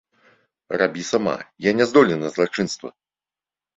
Рабі сама, я няздольны на злачынства!